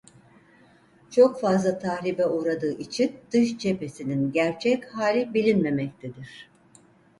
Çok fazla tahribe uğradığı için dış cephesinin gerçek hali bilinmemektedir.